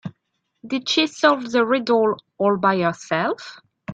Did she solve the riddle all by herself?